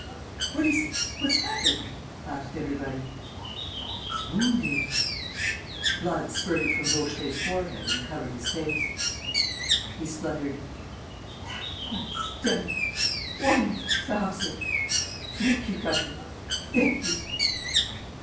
"What is it? What's happened?" asked everybody. "He's wounded...." Blood spurted from Vaucheray's forehead and covered his face. He spluttered: "That's done it ... one in a thousand! Thank you, governor, thank you."